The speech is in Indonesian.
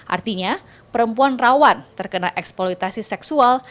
artinya perempuan rawan terkena eksploitasi seksual